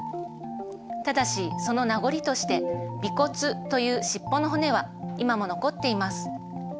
ただしその名残として尾骨という尻尾の骨は今も残っています。